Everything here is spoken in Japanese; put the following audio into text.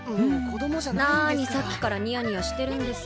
なにさっきからニヤニヤしてるんです？